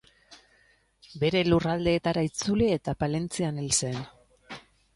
Bere lurraldeetara itzuli eta Palentzian hil zen.